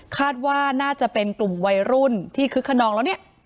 คาดว่าน่าจะเป็นกลุ่มวัยรุ่นที่คึกขนองแล้วเนี่ย